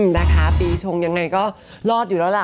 นะคะปีชงยังไงก็รอดอยู่แล้วล่ะ